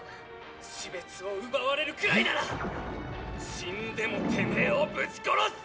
シベツを奪われるくらいなら死んでもテメェをブチ殺す！